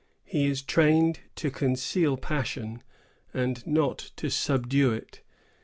He is trained to conceal passion, and not to subdue it.